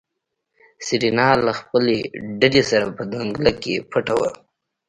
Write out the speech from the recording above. سېرېنا له خپلې ډلې سره په ځنګله کې پټه وه.